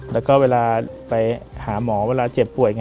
แล้วก็เวลาไปหาหมอเวลาเจ็บป่วย